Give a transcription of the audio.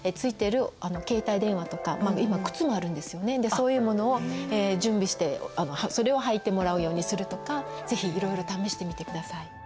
そういうものを準備してそれを履いてもらうようにするとか是非いろいろ試してみてください。